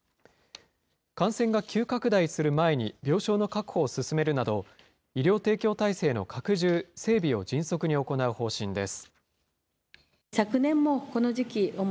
感染が急拡大する前に病床の確保を進めるなど、医療提供体制の拡充、整備を迅速に行う方針です。